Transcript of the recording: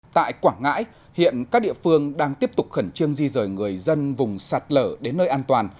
tại quảng ngãi hiện các địa phương đang tiếp tục khẩn trương di rời người dân vùng sạt lở đến nơi an toàn